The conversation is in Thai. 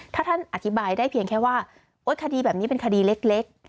ถ้าท่านอธิบายได้เพียงแค่ว่าคดีแบบนี้เป็นคดีเล็ก